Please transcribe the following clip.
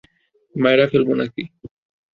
মাইরে ফেলবা নাকি।